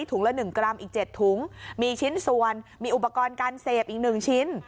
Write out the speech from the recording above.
ละ๑กรัมอีก๗ถุงมีชิ้นส่วนมีอุปกรณ์การเสพอีก๑ชิ้น